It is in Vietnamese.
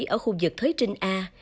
có khu vực thuế trinh a